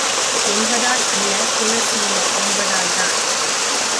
என்பதால் அல்ல குணசீலர் என்பதால்தான்.